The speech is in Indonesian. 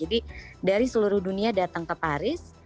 jadi dari seluruh dunia datang ke paris